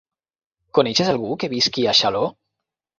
Coneixes algú que visqui a Xaló?